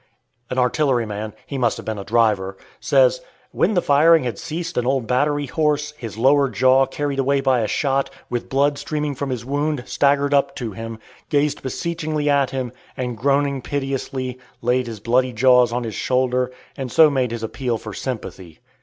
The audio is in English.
An artilleryman he must have been a driver says: when the firing had ceased an old battery horse, his lower jaw carried away by a shot, with blood streaming from his wound, staggered up to him, gazed beseechingly at him, and, groaning piteously, laid his bloody jaws on his shoulder, and so made his appeal for sympathy.